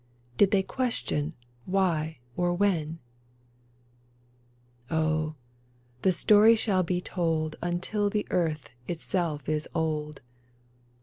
Did they question why or when ? Oh, the story shall be told Until earth itself is old.